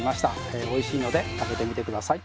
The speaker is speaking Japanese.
おいしいので食べてみて下さい。